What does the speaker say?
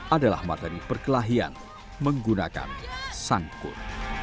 adalah materi perkelahian menggunakan sangkur